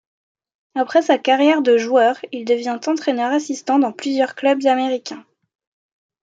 Après sa carrière de joueur, il devient entraineur assistant dans plusieurs clubs américains.